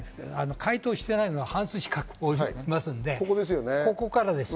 回答してない人が半数近くいますので、ここからです。